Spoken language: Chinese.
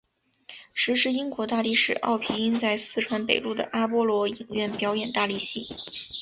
时值英国大力士奥皮音在四川北路的阿波罗影院表演大力戏。